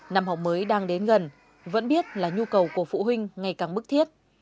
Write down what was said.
năm học mới đang đến gần vẫn biết là nhu cầu của phụ huynh ngày càng bức thiết